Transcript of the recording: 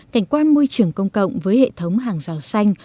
cảnh quan môi trường công cộng với hệ thống hàng rào xanh